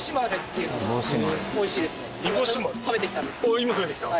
おっ今食べてきた？